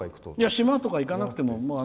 島とか行かなくても。